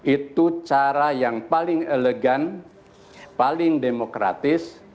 itu cara yang paling elegan paling demokratis